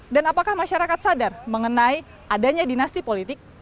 dan apakah masyarakat sadar mengenai adanya dinasti politik